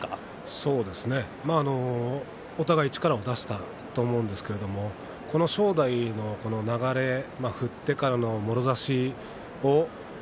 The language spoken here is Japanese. お互い力を出したと思うんですがこの正代の流れ振ってからの、もろ差し。